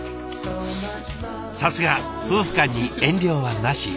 さすが夫婦間に遠慮はなし。